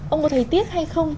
ông có thấy tiếc hay không